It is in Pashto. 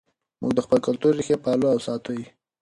موږ د خپل کلتور ریښې پالو او ساتو یې.